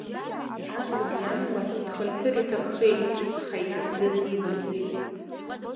Аҷкәын иан лахь дхынҳәыр иҭаххеит, аха иаб дызидымҵит.